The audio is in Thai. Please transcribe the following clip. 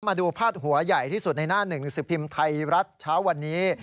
มาดูพาดหัวใหญ่ที่สุดในหน้าหนึ่งหนังสือพิมพ์ไทยรัฐเช้าวันนี้